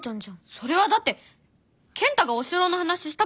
それはだって健太がお城の話したからじゃん！